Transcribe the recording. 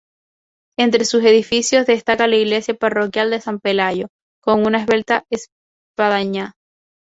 Entre sus edificios destaca la iglesia parroquial de "San Pelayo", con una esbelta espadaña.